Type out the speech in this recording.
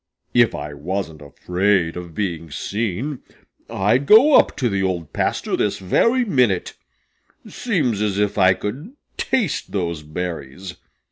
"If I wasn't afraid of being seen, I'd go up to the Old Pasture this very minute. Seems as if I could taste those berries."